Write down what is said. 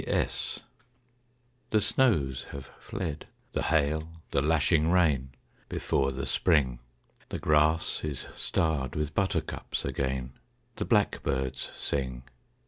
C. S._ The snows have fled, the hail, the lashing rain, Before the Spring. The grass is starred with buttercups again, The blackbirds sing.